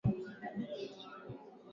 kabla ya jua Malipo ya kuingia na mashtaka